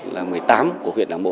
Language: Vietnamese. là một mươi tám của huyện đảng bộ